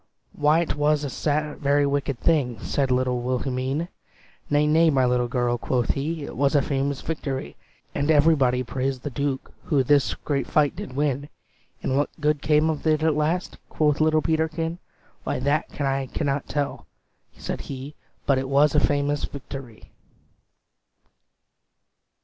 "Why 't was a very wicked thing!" Said little Wilhelmine. "Nay nay my little girl," quoth he, "It was a famous victory. "And everybody praised the Duke Who this great fight did win." "And what good came of it at last?" Quoth little Peterkin. "Why, that I cannot tell," said he, "But 't was a famous victory."